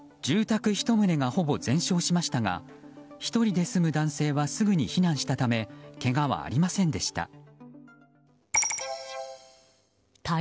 住宅１棟がほぼ全焼しましたが１人で住む男性はすぐに避難したためけがはありませんでした。